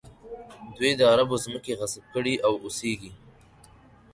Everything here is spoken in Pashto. دوی د عربو ځمکې غصب کړي او اوسېږي.